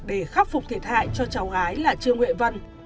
để khắc phục thiệt hại cho cháu gái là trương huệ vân